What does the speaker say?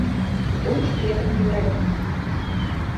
І добра, што я так не зрабіў.